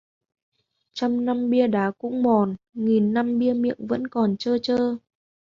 Trăm năm bia đá cũng mòn, nghìn năm bia miệng vẫn còn trơ trơ.